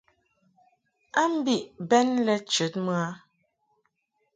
A mbiʼ bɛn lɛ chəd mɨ a.